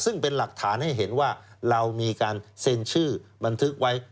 ซึ่งเป็นหลักฐานให้เห็นว่าเรามีการเซ็นชื่อบันทึกไว้